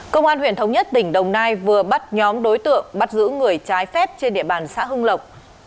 công an huyện thống nhất tỉnh đồng nai vừa bắt nhóm đối tượng bắt giữ người trái phép trên địa bàn xã hưng lộc